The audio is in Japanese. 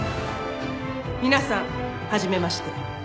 皆さん初めまして。